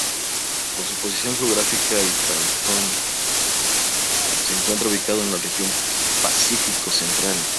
Por su posición geográfica, el cantón se encuentra ubicado en la Región Pacífico Central.